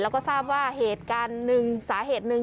แล้วก็ทราบว่าสาเหตุหนึ่ง